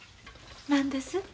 何です？